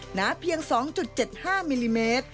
นาเพียง๒๗๕มิลลิเมตร